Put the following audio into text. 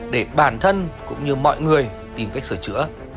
để bản thân cũng như mọi người tìm cách sửa chữa